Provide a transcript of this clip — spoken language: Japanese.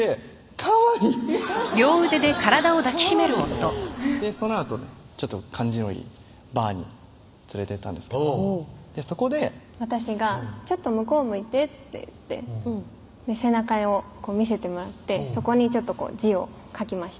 かわいいもうそのあと感じのいいバーに連れてったんですけどそこで私が「ちょっと向こう向いて」って言って背中を見せてもらってそこに字を書きました